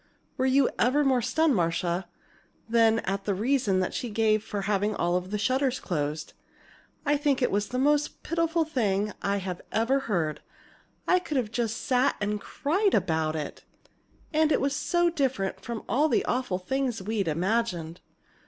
"Were you ever more stunned, Marcia, than at the reason she gave for having all the shutters closed? I think it was the most pitiful thing I ever heard, I could just have sat and cried about it. And it was so different from all the awful things we'd imagined.